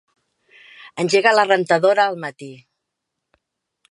Engega la rentadora al matí.